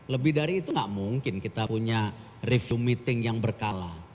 lebih dari itu nggak mungkin kita punya review meeting yang berkala